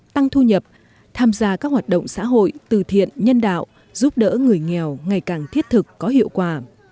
tăng thu nhập tham gia các hoạt động xã hội từ thiện nhân đạo giúp đỡ người nghèo ngày càng thiết thực có hiệu quả